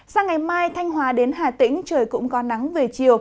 sáng ngày mai thanh hóa đến hà tĩnh trời cũng có nắng về chiều